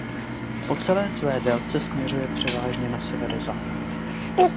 Po celé své délce směřuje převážně na severozápad.